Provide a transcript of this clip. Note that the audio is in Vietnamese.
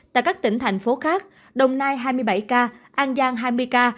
tại các tỉnh thành phố khác đồng nai hai mươi bảy ca an giang hai mươi ca